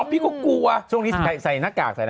พี่โมนบอกว่าช่วงนี้พักก่อน